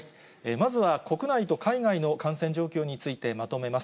まずは国内の海外の感染状況についてまとめます。